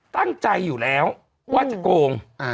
ตั้งใจอยู่แล้วว่าจะโกง